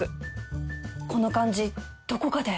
この感じどこかで